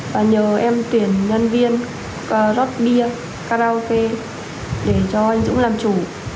và nhờ em tuyển nhân viên rót bia karaoke để cho anh dũng làm chủ